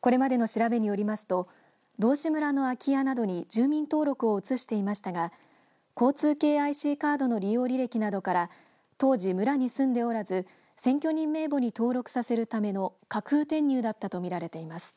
これまでの調べによりますと道志村の空き家などに住民登録を移していましたが交通系ＩＣカードの利用履歴などから当時、村に住んでおらず選挙人名簿に登録させるための架空転入だったとみられています。